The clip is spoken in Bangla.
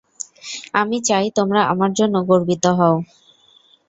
আমি চাই তোমরা আমার জন্য গর্বিত হও।